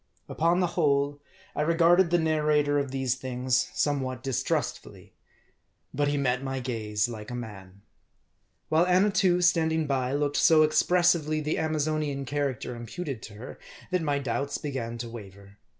Upon the whole, I regarded the narrator of these things somewhat distrustfully. But he met my gaze like a man. While Annatoo, standing by, looked so expressively the Amazonian character imputed to MARDI. 109 her, that my doubts began to waver.